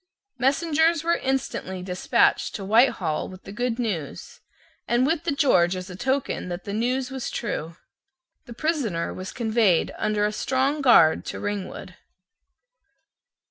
Messengers were instantly despatched to Whitehall with the good news, and with the George as a token that the news was true. The prisoner was conveyed under a strong guard to Ringwood.